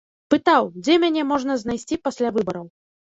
Пытаў, дзе мяне можна знайсці пасля выбараў.